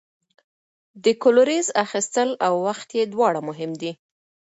د کلوریز اخیستل او وخت یې دواړه مهم دي.